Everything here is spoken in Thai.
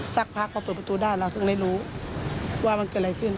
สักพักพอเปิดประตูได้เราถึงได้รู้ว่ามันเกิดอะไรขึ้น